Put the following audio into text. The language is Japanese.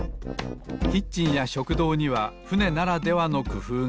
キッチンや食堂にはふねならではのくふうが。